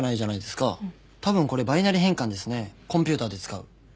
コンピューターで使う。